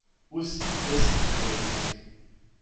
Aussi est-ce un cœur étrange.